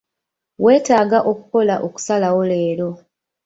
Wetaaga okukola okusalawo leero.